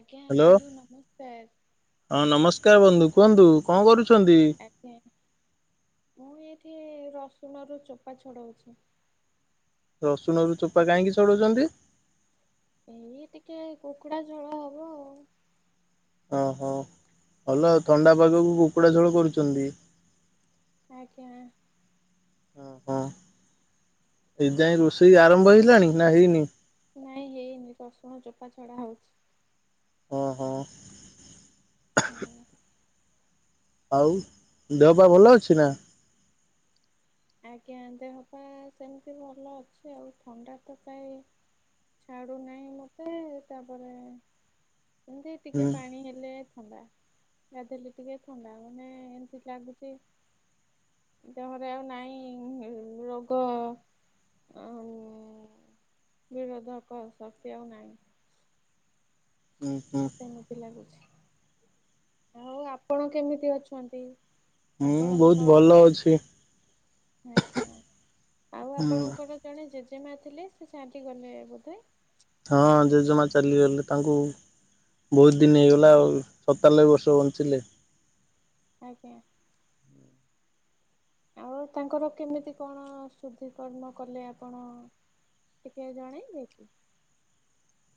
ଆଜ୍ଞା ହ୍ୟାଲୋ ବନ୍ଧୁ ନମସ୍କାର। ହଁ ନମସ୍କାର ବନ୍ଧୁ କୁହନ୍ତୁ କଣ କରୁଛନ୍ତି? ଆଜ୍ଞା ମୁଁ ଏଇଠି ରସୁଣ ରୁ ଚୋପା ଛଡଉଛି। ରସୁଣ ରୁ ଚୋପା କାହିଁକି ଛଡଉଛନ୍ତି? ଏଇ ଟିକେ କୁକୁଡ଼ା ଝୋଳ ହବ ଆଉ। ଓହୋ ଭଲ ଥଣ୍ଡା ପାଗକୁ କୁକୁଡ଼ା ଝୋଳ କରୁଛନ୍ତି। ଆଜ୍ଞା। ଓ ହୋ ଏଇ ଯାଏଁ ରୋଷେଇ ଆରମ୍ଭ ହେଇଲାଣି ନା ହେଇନି? ନାଇଁ ହେଇନି ରସୁଣ ଚୋପା ଛଡାହଉଛି। ହଁ ହଁ। ହଁ ଆଉ ଦେହ ପା ଭଲ ଅଛି ନା? ଆଜ୍ଞା ଦେହପା ସେମିତି ଭଲ ଅଛି ଆଉ ଥଣ୍ଡା ତ କାଇଁ ଛାଡ଼ୁନାହିଁ ମୋତେ, ତାପରେ ଏମିତି ଟିକେ ହୁଁ ପାଣି ହେଲେ ଥଣ୍ଡା ଗାଧେଇଲେ ଟିକେ ଥଣ୍ଡା ମାନେ ଏମିତି ଲାଗୁଛି ଦେହରେ ଆଉ ନାଇଁ ରୋଗ ଅ ବିରୋଧକ ଶକ୍ତି ଆଉ ନାହିଁ। ହୁଁ ହୁଁ। ସେମିତି ଲାଗୁଛି। ଆଉ ଆପଣ କେମିତି ଅଛନ୍ତି? ମୁଁ ବହୁତ ଆପଣଙ୍କ ଭଲ ଅଛି। ଆଜ୍ଞା ଆଉ ହୁଁ ଆପଣଙ୍କର ଜଣେ ଜେଜେମା ଥିଲେ ସେ ଛାଟି ଗଲେ ବୋଧେ। ହଁ ଜେଜମା ଚାଲିଗଲେ ତାଙ୍କୁ ବହୁତ ଦିନ ହେଇଗଲା ଆଉ ସତାଲବେ ବର୍ଷ ବଞ୍ଚିଲେ। ଆଜ୍ଞା। ଆଉ ତାଙ୍କର କେମିତି କଣ ଶୁଦ୍ଧିକର୍ମ କଲେ ଆପଣ? ଟିକେ ଜଣେଇବେ କି?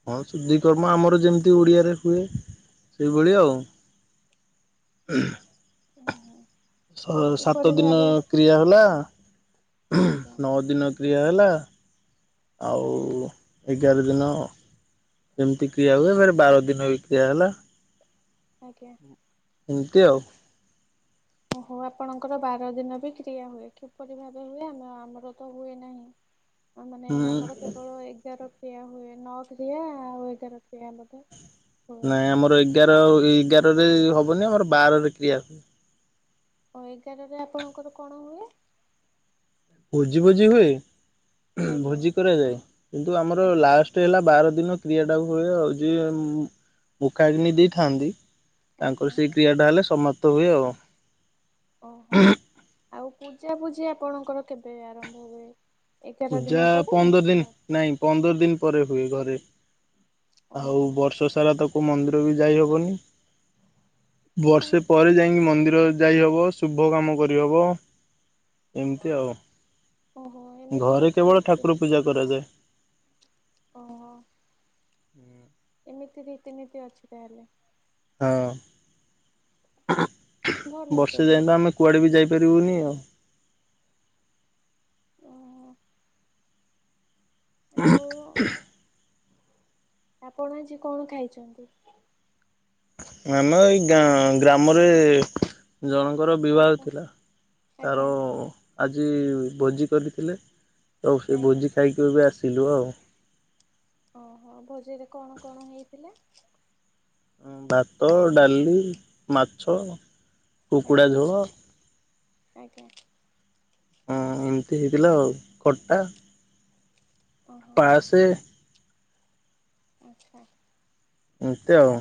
ହଁ ଶୁଦ୍ଧିକର୍ମ ଆମର ଯେମିତି ଓଡ଼ିଆରେ ହୁଏ ସେଇଭଳିଆ ଆଉ। ହୁଁ। ଉଁ ହୁଁ। ଛଅ ସାତ ଦିନ କ୍ରିୟା ହେଲା। ଆଜ୍ଞା। ନଅ ଦିନ କ୍ରିୟା ହେଲା ଆଉ ଆଜ୍ଞା ଏଗାର ଦିନ ଏମିତି କ୍ରିୟା ହୁଏ ଫେର ବାର ଦିନ ବି କ୍ରିୟା ହେଲା। ଆଜ୍ଞା। ଏମିତି ଆଉ। ଓହୋ ଆପଣଙ୍କର ବାର ଦିନ ବି କ୍ରିୟା ହୁଏ। କିପରି ଭାବେ ହୁଏ? ଆମ ଆମର ତ ହୁଏ ନାହିଁ। ମାନେ ହୁଁ ଆମର କେବଳ ଏଗାର କ୍ରିୟା ହୁଏ। ନଅ କ୍ରିୟା ଆଉ ଏଗାର କ୍ରିୟା ବୋଧେ। ହୁଏ। ନାଇଁ ଆମର ଏଗାର ଏଗାରରେ ହବନି ଆମର ବାରରେ କ୍ରିୟା ହ ଏଗାରରେ ଆପଣଙ୍କର କଣ ହୁଏ? ଭୋଜି ଭୋଜି ହୁଏ ଆଜ୍ଞା ଭୋଜି କରାଯାଏ, କିନ୍ତୁ ଆମର ଆଜ୍ଞା ଲାଷ୍ଟ ଟେ ହେଲା ବାର ଦିନ କ୍ରିୟା ଟା ହୁଏ ଆଉ ଯିଏ ମୁଖାଗ୍ନି ଦେଇଥାନ୍ତି ଆଜ୍ଞା ତାଙ୍କର ସେଇ କ୍ରିୟା ଟା ହେଲେ ସମାପ୍ତ ହୁଏ ଆଉ। ଓହୋ ଆଉ ପୂଜା ପୁଜି ଆପଣଙ୍କର କେବେ ଆରମ୍ଭ ହୁଏ? ଏଗାର ପୂଜା ଦିନ ପରେ ପନ୍ଦର ଦିନ ହେଲା। ନାଇଁ ପନ୍ଦର ଦିନ ପରେ ହୁଏ ଘରେ ଆଉ ଓହୋ ବର୍ଷ ସାରା ତ କୋଉ ମନ୍ଦିର ବି ଯାଇହବନି ବର୍ଷେ କାହିଁକି ପରେ ଯାଇକି ମନ୍ଦିର ଯାଇହବ ଶୁଭ କାମ କରିହବ ଏମିତି ଆଉ। ଓହୋ। ଏମିତି ଘରେ ଅଛି କେବଳ ରୀତି ଠାକୁର ପୂଜା କରାଯାଏ। ଓହୋ। ଏମିତି ରୀତିନୀତି ଅଛି ତାହେଲେ? ହଁ ଭଲ ବର୍ଷେ ତେବେ ଯାଇ ତ ଆମେ କୁଆଡେ ବି ଯାଇପାରିବୁନି ଆଉ। ଓ ହୋ। ଆଉ କ୍ଷ୍ମ ଆପଣ ଆଜି କଣ ଖାଇଚନ୍ତି? ଆମ ଏଇ ଗାଁ ଗ୍ରାମରେ ଜଣଙ୍କର ବିବାହ ଆଜ୍ଞା ଥିଲା ତାର ଆଜି ଭୋଜି କରିଥିଲେ ତ ସେ ଆଜ୍ଞା ଭୋଜି ଖାଇକି ଏବେ ଆସିଲୁ ଆଉ। ଓହୋ ଭୋଜିରେ କଣ କଣ ହେଇଥିଲା? ହ ଭାତ ଡାଲି ମାଛ କୁକୁଡ଼ା ଆଜ୍ଞା ଝୋଳ ଆଜ୍ଞା। ହଁ ଏମିତି ହେଇଥିଲା ଆଉ ଖଟା ଓହୋ ପାସେ ଆଛା। ଏମତି ଆଉ।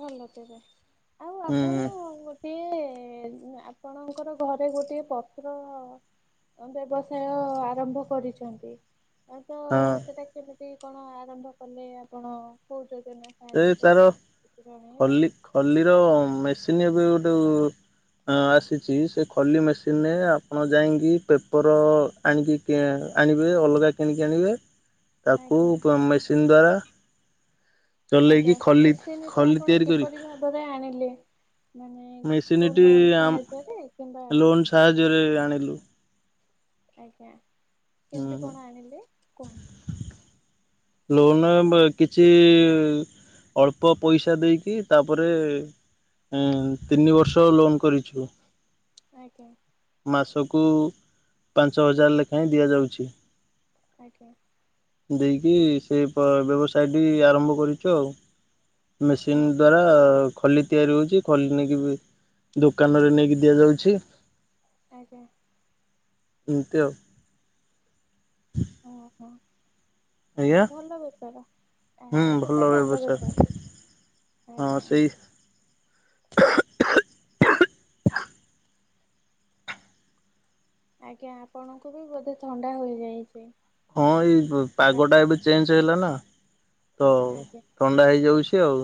ଭଲ ତବେ ଆଉ ଆପଣ ସିଏ ଆପଣଙ୍କର ଘରେ ଗୋଟଏ ପତ୍ର ବ୍ୟବସାୟ ଆରମ୍ଭ କରିଛନ୍ତି ତ ହଁ। ସେଇଟା କେମିତି କଣ ଆରମ୍ଭ କଲେ ଆପଣ କହୁଛନ୍ତି ଯେ ନା ସେ ତାର ଖଲି ଖଲିର ମେସିନ୍ ଏବେ ଗୋଟେ ହଁ ଆସିଚି ସେ ଖଲି ମେସିନ୍ ରେ ଆପଣ ଯାଇକି ପେପର ଆଣିକି ତି ଆଣିବେ ଅଲଗା କିଣିକି ଆଣିବେ ତାକୁ ଆଜ୍ଞା ମେସିନ୍ ଦ୍ଵାରା ଆଜ୍ଞା ଚଲେଇକି ସେ ଖଲି ମେଶିନଟି ଖଲି ଆପଣ ତିଆରି କରି କିପରି ଭାବ ରେ ଆଣିଲେ? ମାନେ କୋ ମେସିନଟି ଲୋନ ସାହାଯ୍ୟରେ କିମ୍ବା ଲୋନ୍ ସାହାଯ୍ୟରେ ଆଣିଲି। ଆଜ୍ଞା କେମିତି କଣ ଆଣିଲେ କୁହୁ ଲୋନ୍ କିଛି ଅଳ୍ପ ପଇସା ଦେଇକି ତାପରେ ଉମ ତିନି ବର୍ଷ ଲୋନ୍ କରିଛୁ। ଆଜ୍ଞା। ମାସକୁ ପାଞ୍ଚ ହଜାର ଲେଖାଏଁ ଦିଆଯାଉଛି। ଆଜ୍ଞା। ଦେଇକି ସେ ବ୍ୟବସାୟଟି ଆରମ୍ଭ କରିଛୁ ଆଉ। ମେସିନ୍ ଓହୋ। ଦ୍ଵାରା ଖଲି ତିଆରି ହଉଛି ଖଲି ନେଇକି ଦୋକାନରେ ନେଇକି ଦିଆଯାଉଛି। ଆଜ୍ଞା। ହିନ୍ତ ଓହୋ ଆଜ୍ଞା। ସେ ଭଲ ବେପାର ଆ ହୁଁ ସେ ତ ଭଲ ବ୍ୟବସାୟ ବେପାର। ହଁ ଆଜ୍ଞା ସେଇ ଆଜ୍ଞା ଆପଣଙ୍କୁ ବି ବୋଧେ ଥଣ୍ଡା ହେଯାଇଛି। ହଁ ଏଇ ପାଗ ଟା ଏବେ ଚେଞ୍ଜ ହେଲା ନା ତ ଆଜ୍ଞା ଥଣ୍ଡା ହେଇଯାଉଛି ଆଉ।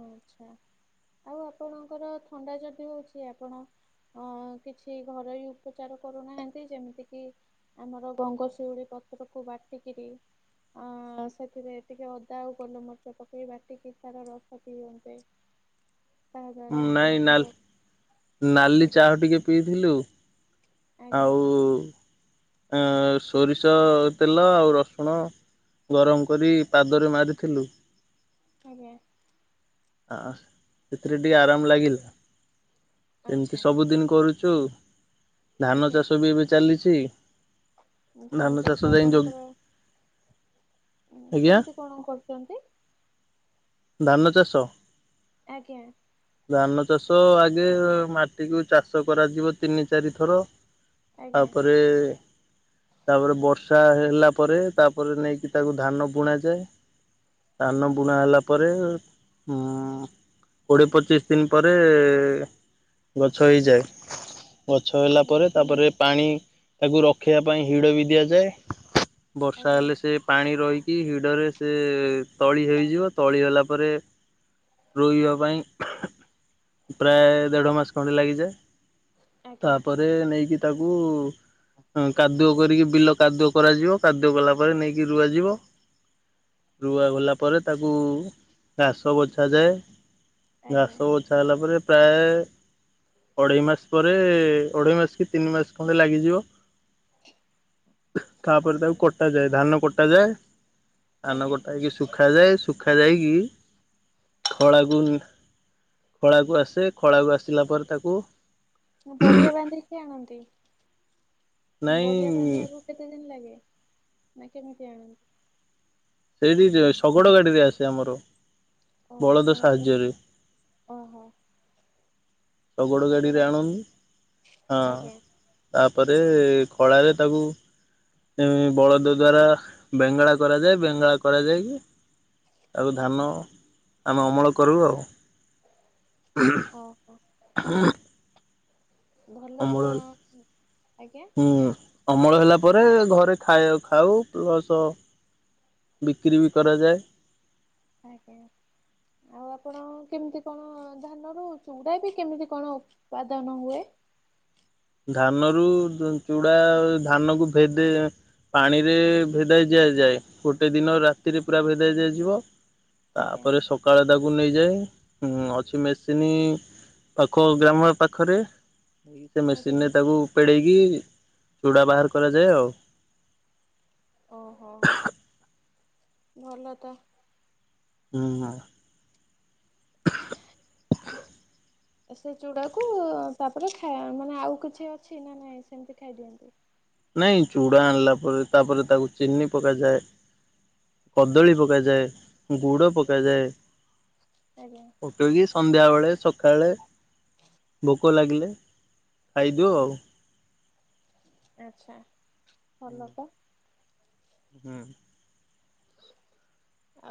ଆଛା ଆଉ ଆପଣଙ୍କର ଥଣ୍ଡା ଯଦି ହଉଛି ଆପଣ ହଁ କିଛି ଘରୋଇ ଉପଚାର କରୁନାହାନ୍ତି ଯେମିତି କି ଆମର ଗଙ୍ଗଶିଉଳି ପତ୍ରକୁ ବାଟିକିରି ଅ ସେଥିରେ ଟିକେ ଅଦା ଆଉ ଗୋଲମରିଚ ପକେଇ ବାଟିକି ତାର ରସ ତିନ୍ତ ତା ଦ୍ଵାରା ନାଇଁ ନାଲ୍ ଆପଣଙ୍କ ନାଲି ଚାହା ଟିକେ ପିଇଥିଲୁ, ଆଜ୍ଞା ଆଉ ଅ ସୋରିଷ ତେଲ, ଆଉ ରସୁଣ ଗରମ କରି ପାଦରେ ମାରିଥିଲୁ। ଆଜ୍ଞା। ଆ ସେଥିରେ ଟିକେ ଆରାମ ଲାଗିଲା ସେମିତି ଆଚ୍ଛା ସବୁଦିନ କରୁଛି କନ୍ତୁ ଧାନ ଆଜ୍ଞା ଚାଷ ବି ଏବେ ଚାଲିଛି। ଧାନ ଚାଷ ଯାଇଁ ଯୋଗ ଉ ଆଜ୍ଞା କେମିତି କଣ କରୁଛନ୍ତି? ଧାନ ଚାଷ ଆଜ୍ଞା। ଧାନ ଚାଷ ଆଗେ ମାଟି କୁ ଚାଷ କରାଯିବ ତିନି ଚାରିଥର ଆଜ୍ଞା ତାପରେ ତାପରେ ବର୍ଷା ହେଲା ପରେ ତାପରେ ନେଇକି ତାକୁ ଧାନ ବୁଣା ଯାଏ। ହୁଁ ସାନ ବୁଣା ହେଲା ପରେ ଉଁ କୋଡିଏ ପଚିସ୍ ଦିନ୍ ପରେ ଏ ଗଛ ହେଇଯାଏ ଗଛ ହେଲା ହୁଁ ପରେ ତା ପରେ ପାଣି, ତାକୁ ରଖିବା ପାଇଁ ହିଡ଼ ବି ଦିଆଯାଏ। ବର୍ଷା ଆଜ୍ଞା ହେଲେ ସେ ପାଣି ରହିକି ହିଡରେ ସେ ତଳି ହେଇଯିବ ତଳି ହେଲା ପରେ ରୋଇବା ପାଇଁ ପ୍ରାୟ ଦେଢ ମାସ ଖଣ୍ଡେ ଲାଗିଯାଏ। ଆଜ୍ଞା ତାପରେ ନେଇକି ତାକୁ ହଁ କାଦୁଅ କରିକି ବିଲ କାଦୁଅ କରାଯିବ, କାଦୁଅ କଲା ପରେ ନେଇକି ରୁଆଯିବ। ରୁଆଗଲା ପରେ ତାକୁ ଘାସ ବଛାଯାଏ। ଆଜ୍ଞା ଘାସ ବ ବଛା ହେଲା ପରେ ପ୍ରାଏ ଅଢେଇ ମାସ ପରେ ଅଢେଇ ମାସ କି ତିନି ମାସ ଖଣ୍ଡେ ଲାଗିଯିବ। ତାପରେ କଣ ତାକୁ ପାଇଁ କଟ ଯାଏ। ଧାନ କଟା ଯାଏ। ଧାନ ଆଜ୍ଞା କଟା ହେଇ ଶୁଖାଯାଏ ଶୁଖାଯାଇକି ଖଳାକୁ ଖଳାକୁ ଆସେ, ଖଳାକୁ ଆସିଲା ପରେ ତାକୁ ମୁଁ ବରିଆ ବାନ୍ଧି କିଏ ଆଣନ୍ତି? ନାଇଁ ବରିଆ ବାନ୍ଧିବାକୁ କେତେ ଦିନ ଲାଗେ? ନା କେମିତି ଆଣନ୍ତିୁ? ସେଇଠି ଶଗଡ଼ ଗାଡିରେ ଆସେ ଆମର। ଓ ବଳଦ ଆପଣଙ୍କର ସାହାଯ୍ୟରେ। ଓହୋ। ଶଗଡ଼ ଗାଡ଼ିରେ ଆଣନ୍ତି। ହଁ ଆଜ୍ଞା ତାପରେ ଖଳାରେ ତାକୁ ଏ ବଳଦ ଦ୍ଵାରା ବେଙ୍ଗଳା କରାଯାଏ ବେଙ୍ଗଳା କରାଯାଇକି ଆଉ ଧାନ ଆମେ ଅମଳ କରୁ ଆଉ ଓହୋ ଭଲ ଅମଳ ତ ଆଜ୍ଞା ହୁଁ ଅମଳ ହେଲା ପରେ ଘରେ ଖାଇ ଖାଉ ପ୍ଲସ ବିକ୍ରି ବି କରାଯାଏ। ଆଜ୍ଞା ଆଉ ଆପଣ କେମିତି କଣ ଧାନରୁ ଚୁଡ଼ା ବି କେମିତି କଣ ପାଦାନ ହୁଏ ଧାନରୁ ଚୁ ଚୁଡା ଧାନ କୁ ଭେଦେ ପାଣିରେ ଭେଦା ଦିଆଯାଏ ଗୋଟେ ଦିନ ରାତିରେ ପୁରା ଭେଦା ଦିଆଯିବ ଆଜ୍ଞା ତାପରେ ସକାଳେ ତାକୁ ନେଇଯାଏଁ ଉ ଅଛି ମେସିନ୍ ପାଖ ଗ୍ରାମ ପାଖରେ ସେ ମେସିନି ଆଜ୍ଞା ରେ ତାକୁ ପେଡେଇକି ଚୁଡ଼ା ବାହାର କରାଯାଏ ଆଉ ଓହୋ ଭଲ ତ ହୁଁ ହ ହୁଁ ସେ ଚୁଡାକୁ ତାପରେ ଖା ମାନେ ଆଉ କିଛି ଅଛି ନା ନାଇଁ ସେମିତି ଖାଇଦିଅନ୍ତି ନାଇଁ ଚୁଡ଼ା ଆଣିଲା ପରେ ତାପରେ ତାକୁ ଚିନି ପକାଯାଏ କଦଳୀ ପକାଯାଏ ଗୁଡ ପକାଯାଏ ଆଜ୍ଞା ପକେଇକି ସନ୍ଧ୍ୟାବେଳେ ସକାଳେ ଭୋକ ଲାଗିଲେ ଖାଇ ଦେଉ ଆଉ ଆଚ୍ଛା ଭଲ ତ ହୁଁ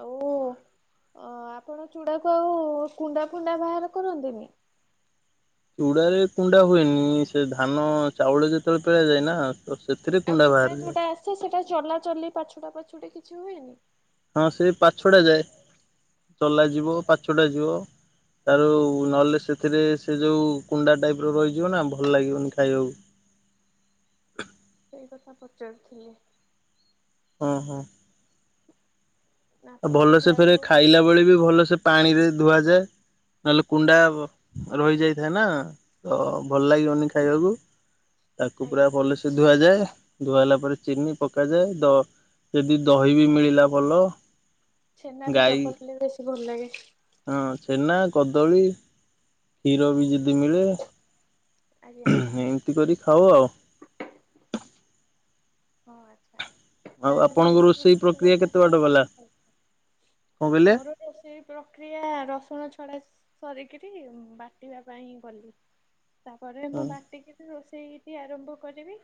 ଆଉ ଆପଣ ଚୁଡ଼ାକୁ ଆଉ କୁଣ୍ଡା ଫୁଣ୍ଡା ବାହାର କରନ୍ତିନି ଚୁଡାରେ କୁଣ୍ଡା ହୁଏନି ସେ ଧାନ ଚାଉଳ ଯେତେବେଳେ ପେଳା ଯାଏ ନା ତ ସେଥିରେ ଆଉ କୁଣ୍ଡା ଚୁଡା ବାହାରିଯାଏ। ଯୋଉଟା ଆସେ ସେଟା ଚଲାଚଲି ପାଛୁଡ଼ା ପାଛୁଡ଼ି କିଛି ହୁଏନି ହଁ ସେ ପାଛୁଡ଼ା ଯାଏ ଚଲା ଯିବ ପାଛଡ଼ା ଯିବ ତାଯୋଉ ନହେଲେ ସେଥିରେ ସେ ଯୋଉ କୁଣ୍ଡା ଟାଇପ୍ ର ରହିଯିବ ନା ଭଲ ଲାଗିବନି ଖାଇବାକୁ ସେଇ କଥା ପଚାରୁଥିଲି ଉହୁଁ ନା ଆଉ ଆପଣ ଭଲସେ ଦେଖିଲା ଫେରେ ବେଳକୁ ଖାଇଲା ବେଳେ ବି ଭଲସେ ପାଣିରେ ଧୁଆଯାଏ ନହେଲେ କୁଣ୍ଡା ରହି ଯାଇଥାଏ ନା ତ ଭଲ ଲାଗିବନି ଖାଇବାକୁ ତାକୁ ପୁରା ଆଜ୍ଞା ଭଲସେ ସେ ଧୁଆଯାଏ ଧୁଆ ହେଲା ପରେ ଚିନି ପକାଯାଏ ଦ ଯଦି ଦହି ବି ମିଳିଲା ଭଲ ଛେନା ବି ଗାଈ ଚକୋଟିଲେ ବେଶୀ ଭଲ ଲାଗେ ହଁ ଛେନା କଦଳୀ କ୍ଷୀର ବି ଜିଦି ମିଳେ ଆଜ୍ଞା ତି କରି ଖାଉ ଆଉ ହ [unintelligible] ହଁ ଆଚ୍ଛା ଆଉ ତାହେଲେ ଆପଣଙ୍କ ଭଲ ରୋଷେଇ ରୁଚିକର ପ୍ରକ୍ରିୟା କେତେ ଖାଦ୍ୟ ବାଟ ଗଲା ଆପଣ ଖାଇ କଣ କହିଲେ? ମୋର ରୋଷେଇ ପ୍ରକ୍ରିୟା ରସୁଣ ଛଡା ସରିକିରି ବାଟିବା ପାଇଁ ଗଲି ତାପରେ ହଁ ମୁଁ ବାଟିକି ରୋଷେଇଟି ଆରମ୍ଭ କରିବି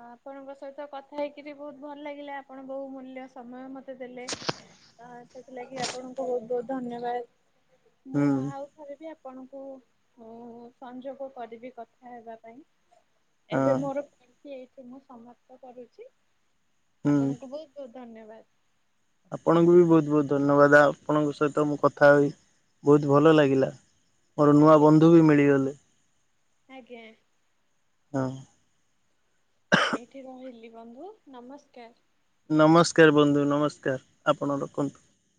ଆ ଆପଣଙ୍କ ସହିତ କଥା ହେଇକିରି ବୋହୁତ ଭଲ ଲାଗିଲା ଆପଣ ବହୁ ମୂଲ୍ୟ ସମୟ ମ ଦେଲେ ଅ ସେଥିଲାଗି ଆପଣଙ୍କୁ ବହୁତ ବହୁତ ଧନ୍ୟବାଦ ହୁଁ ମୁଁ ଆ ଥରେ ବି ଆପଣଙ୍କୁ ଉଁ ସଂଯୋଗ କରିବି କଥା ହେବା ପାଇଁ। ହଁ ଏବେ ମୋର ଫୋନ ଟି ଏଇଠି ମୁଁ ସମାପ୍ତ କରୁଚି ହୁଁ। ଆପଣଙ୍କୁ ବୋହୁତ ଧନ୍ୟବାଦ। ଆପଣଙ୍କୁ ବି ବୋହୁତ ବୋହୁତ ଧନ୍ୟବାଦ ଆପଣଙ୍କ ସହିତ ମୁଁ କଥା ହୋଇ ବୋହୁତ ଭଲ ଲାଗିଲା। ମୋର ନୂଆ ଆଜ୍ଞା ବନ୍ଧୁ ବି ମିଳିଗଲେ ଆଜ୍ଞା ହଁ। ଏଇଠି ରହିଲି ବନ୍ଧୁ ନମସ୍କାର। ନମସ୍କାର ବନ୍ଧୁ ନମସ୍କାର ଆପଣ ରଖନ୍ତୁ।